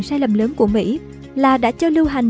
sai lầm lớn của mỹ là đã cho lưu hành